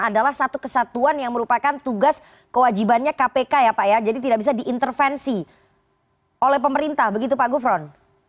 adalah satu kesatuan yang merupakan tugas kewajibannya kpk ya pak ya jadi tidak bisa diintervensi oleh pemerintah begitu pak gufron